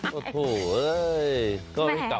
ปั๊ยเพี้ยวที่มา